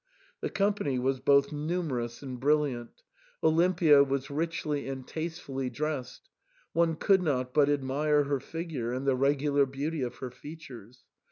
The company was both numerous and THE SAND MAN. 201 brilliant Olimpia was richly and tastefully dressed. One could not but admire her figure and the regular beauty of her features.